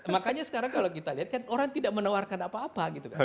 makanya sekarang kalau kita lihat kan orang tidak menawarkan apa apa gitu kan